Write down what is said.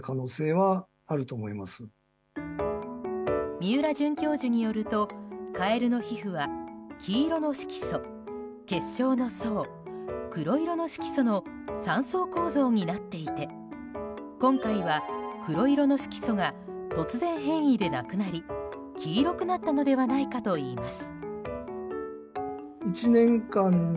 三浦准教授によるとカエルの皮膚は黄色の色素、結晶の層黒色の色素の３層構造になっていて今回は黒色の色素が突然変異でなくなり黄色くなったのではないかといいます。